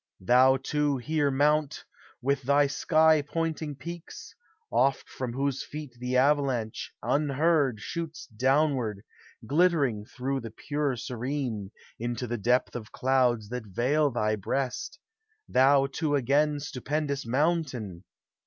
Thou, too, hoar Mount ! with thy sky pointing peaks. Oft from whose feet the avalanche, unheard, Shoots downward, glittering through the pure serene, Into the depth of clouds that veil thy breast, — Thou too again, stupendous Mountain!